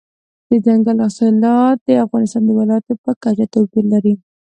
دځنګل حاصلات د افغانستان د ولایاتو په کچه توپیر لري.